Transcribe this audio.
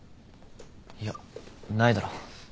いやないだろ。